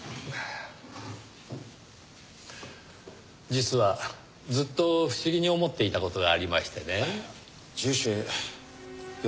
実はずっと不思議に思っていた事がありましてね。